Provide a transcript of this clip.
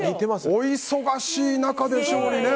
お忙しい中でしょうにね。